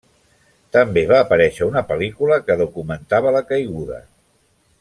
També va aparèixer una pel·lícula que documentava la caiguda.